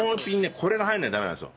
これが入らないとダメなんですよ。